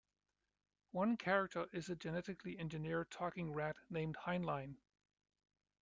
One character is a genetically engineered talking rat named Heinlein.